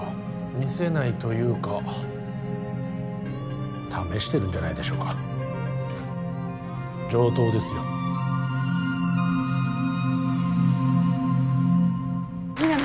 見せないというか試してるんじゃないでしょうか上等ですよ皆実